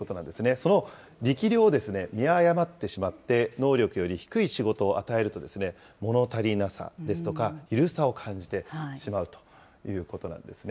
その力量を見誤ってしまって能力より低い仕事を与えると、もの足りなさですとか、緩さを感じてしまうということなんですね。